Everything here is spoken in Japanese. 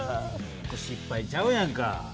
これ失敗ちゃうやんか。